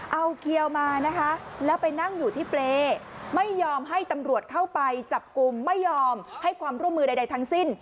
เอาเขียวมานะคะแล้วไปนั่งอยู่ที่เปรย์ไม่ยอมให้ตำรวจเข้าไปจับกลุ่มไม่ยอมให้ความร่วมมือใดทั้งสิ้น